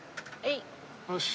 よし。